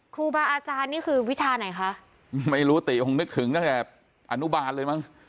ครูบาอาจารย์นี่คือวิชาไหนคะไม่รู้ติคงนึกถึงตั้งแต่อนุบาลเลยมั้ง